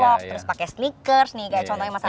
terus pakai sneakers nih kayak contohnya mas hanafi